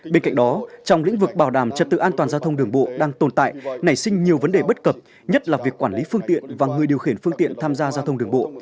bên cạnh đó trong lĩnh vực bảo đảm trật tự an toàn giao thông đường bộ đang tồn tại nảy sinh nhiều vấn đề bất cập nhất là việc quản lý phương tiện và người điều khiển phương tiện tham gia giao thông đường bộ